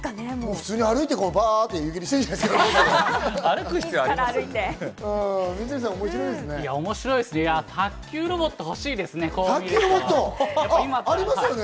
普通に歩いて湯切りしているんじゃないですかね。